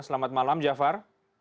selamat malam jafar